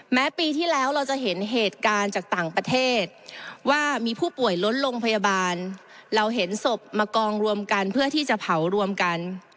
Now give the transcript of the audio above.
แม้ปีที่แล้วเราจะเห็นเหตุการณ์จากต่างประเทศว่ามีผู้ป่วยล้นโรงพยาบาลเราเห็นศพมากองรวมกันเพื่อที่จะเผารวมกัน